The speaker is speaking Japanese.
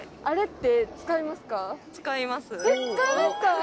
あれって使いますか？